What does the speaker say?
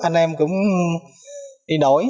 anh em cũng đi đổi